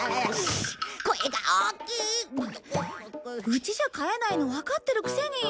うちじゃ飼えないのわかってるくせに。